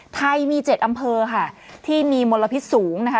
ไทยมี๗อำเภอค่ะที่มีมลพิษสูงนะคะ